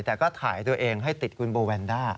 แต่ก็ถ่ายตัวเองให้ติดคุณโบแวนด้า